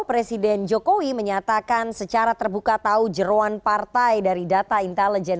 presiden jokowi menyatakan secara terbuka tahu jeruan partai dari data intelijen